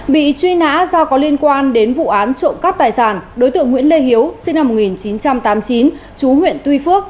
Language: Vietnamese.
bị truy nã do có liên quan đến vụ án trộm cắp tài sản đối tượng nguyễn lê hiếu sinh năm một nghìn chín trăm tám mươi chín chú huyện tuy phước